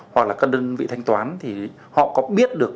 hoặc là các đơn vị thanh toán thì họ có biết được